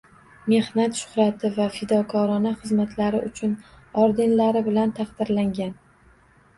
“Mehnat shuhrati” va “Fidokorona xizmatlari uchun” ordenlari bilan taqdirlangan.